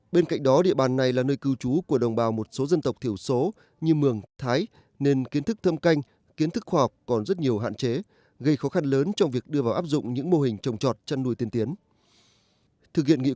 bên cạnh đó địa bàn này là nơi cư trú của đồng bào một số dân tộc thiểu số như mường thái nên kiến thức thâm canh kiến thức khoa học còn rất nhiều hạn chế gây khó khăn lớn trong việc đưa vào áp dụng những mô hình trồng trọt chăn nuôi tiên tiến